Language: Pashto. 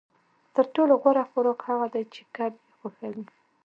تر ټولو غوره خوراک هغه دی چې کب یې خوښوي